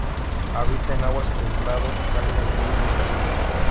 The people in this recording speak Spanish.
Habita en aguas templado-cálidas del sur del Brasil.